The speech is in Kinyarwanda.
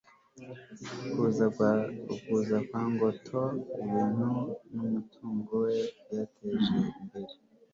ukuza kwa ngotho, ibintu n'umutungo we byateye imbere